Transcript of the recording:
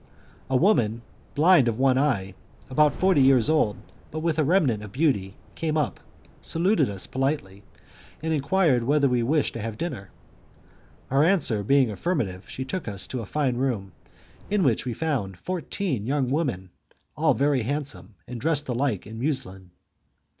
A woman, blind of one eye, about forty years old, but with a remnant of beauty, came up, saluted us politely, and enquired whether we wished to have dinner. Our answer being affirmative, she took us to a fine room in which we found fourteen young women, all very handsome, and dressed alike in muslin.